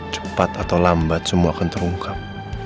cepat atau lambat semua akan terungkap